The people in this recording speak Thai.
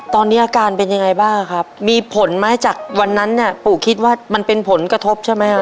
ตอนนี้อาการเป็นยังไงบ้างครับมีผลไหมจากวันนั้นเนี่ยปู่คิดว่ามันเป็นผลกระทบใช่ไหมฮะ